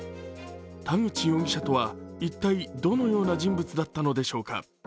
田口容疑者とは、一体どのような人物だったのでしょうか。